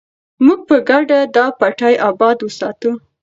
موږ به په ګډه دا پټی اباد وساتو.